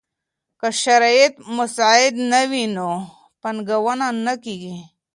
که شرايط مساعد نه وي نو پانګونه نه کيږي.